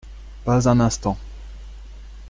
Pas un instant.